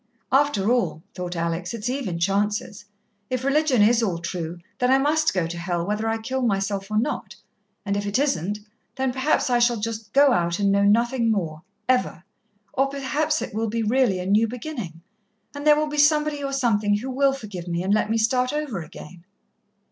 "After all," thought Alex, "it's even chances. If religion is all true, then I must go to hell, whether I kill myself or not, and if it isn't, then perhaps I shall just go out and know nothing more ever or perhaps it will be really a new beginning, and there will be somebody or something who will forgive me, and let me start over again."